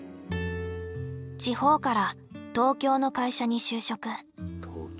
地方から東京の会社に就職。